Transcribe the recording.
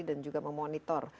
dan juga memonitor